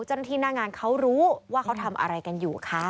เจ้าหน้าที่หน้างานเขารู้ว่าเขาทำอะไรกันอยู่ค่ะ